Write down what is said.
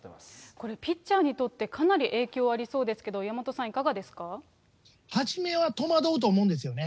これ、ピッチャーにとって、かなり影響ありそうですけど、岩初めは戸惑うと思うんですよね。